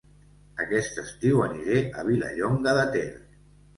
Aquest estiu aniré a Vilallonga de Ter